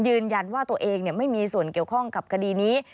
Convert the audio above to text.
ยืนยันว่าตัวเองไม่มีส่วนเกี่ยวข้องกับคดีนี้